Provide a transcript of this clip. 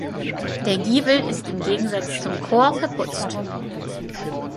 Der Giebel ist im Gegensatz zum Chor verputzt.